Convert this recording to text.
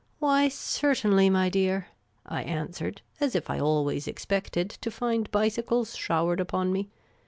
" Why, certainly, my dear," I answered, as if I always expected to find bicycles showered upon me.